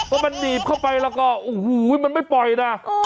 เพราะมันหนีบเข้าไปแล้วก็โอ้โหมันไม่ปล่อยนะ